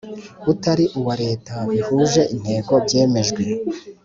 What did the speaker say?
Utari uwa leta bihuje intego byemejwe